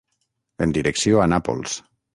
En direcció a Nàpols.